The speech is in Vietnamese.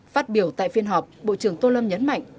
phát biểu tại phiên họp bộ trưởng tô lâm nhấn mạnh